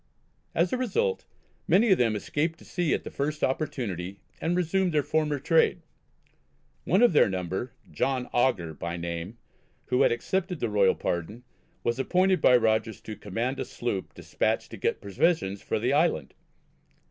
As a result many of them escaped to sea at the first opportunity and resumed their former trade. One of their number, John Augur by name, who had accepted the royal pardon, was appointed by Rogers to command a sloop despatched to get provisions for the island.